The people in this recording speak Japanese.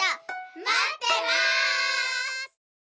まってます！